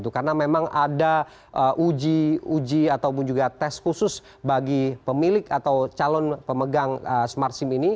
karena memang ada uji uji ataupun juga tes khusus bagi pemilik atau calon pemegang smart sim